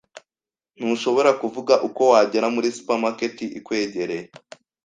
Ntushobora kuvuga uko wagera muri supermarket ikwegereye?